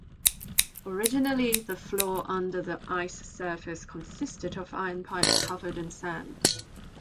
Originally the floor under the ice surface consisted of iron pipes covered in sand.